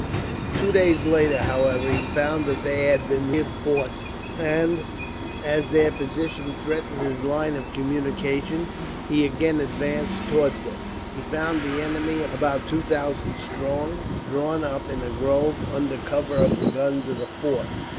Two days later, however, he found that they had been reinforced, and as their position threatened his line of communications, he again advanced towards them. He found the enemy about two thousand strong, drawn up in a grove under cover of the guns of the fort.